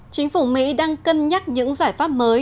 chính phủ mỹ đang cân nhắc những giải pháp mới